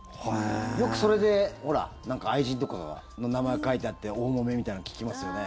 よくそれで、ほら愛人とかの名前が書いてあって大もめみたいなの聞きますよね。